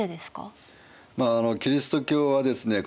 まああのキリスト教はですね